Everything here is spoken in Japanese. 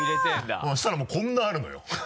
そしたらもうこんなあるのよ